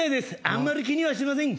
あんまり気にはしません。